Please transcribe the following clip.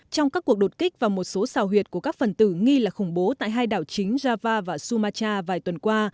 trong các cuộc đột kích vào một số xào huyệt của các phần tử nghi là khủng bố tại hai đảo chính java và sumata vài tuần qua